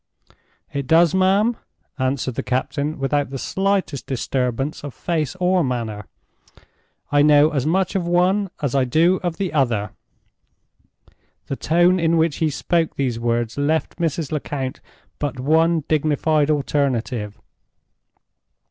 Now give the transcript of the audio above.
"It does, ma'am," answered the captain, without the slightest disturbance of face or manner. "I know as much of one as I do of the other." The tone in which he spoke those words left Mrs. Lecount but one dignified alternative.